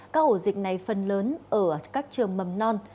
các ổ dịch này phần lớn ở các trường mầm non